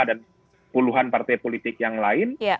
dan puluhan partai politik yang lain